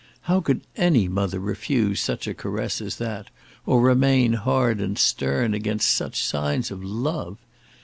How could any mother refuse such a caress as that, or remain hard and stern against such signs of love?